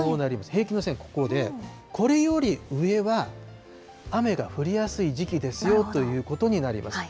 平均の線、ここで、これより上は、雨が降りやすい時期ですよということになります。